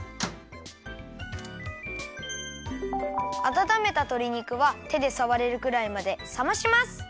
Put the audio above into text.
あたためたとり肉はてでさわれるくらいまでさまします。